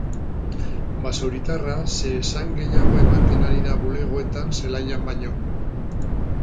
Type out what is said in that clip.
Basauritarra zeresan gehiago ematen ari da bulegoetan zelaian baino.